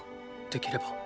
できれば。